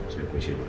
saya ke sini dulu